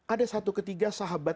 ada satu ketiga sahabat